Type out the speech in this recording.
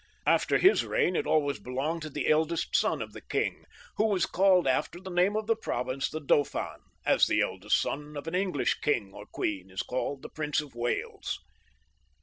After his reign it always belonged to the eldest son of the king, who was called after the name of the province, the Dauphin ; as the eldest son of an English king or queen is called the Prince of Wales.